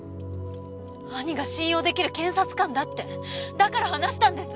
兄が信用出来る検察官だってだから話したんです！